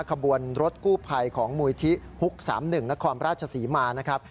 ขบวนรถกู้ภัยของมูลที่ฮุก๓๑นครราชศรีมานะครับ